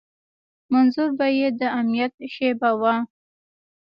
منظور به يې د امنيت شعبه وه.